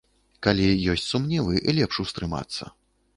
Калі ёсць сумневы, лепш устрымацца.